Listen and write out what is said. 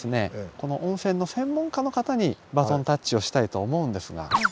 この温泉の専門家の方にバトンタッチをしたいと思うんですが。